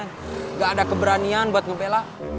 nggak ada keberanian buat ngebelak